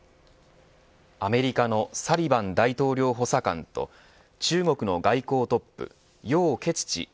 アメリカのサリバン大統領補佐官と中国の外交トップ楊潔チ